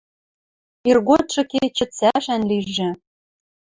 Иргодшы кечӹ цӓшӓн лижӹ